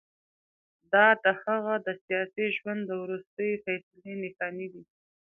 دا د هغه د سیاسي ژوند د وروستۍ فیصلې نښانې دي.